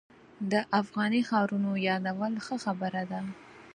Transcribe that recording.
د افغاني ښارونو یادول ښه خبره ده.